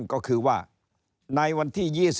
ก็คือว่าในวันที่๒๔